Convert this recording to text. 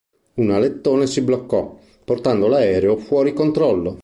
Un alettone si bloccò, portando l'aereo fuori controllo.